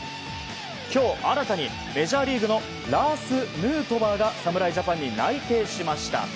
今日、新たにメジャーリーグのヌートバーが侍ジャパンに内定しました。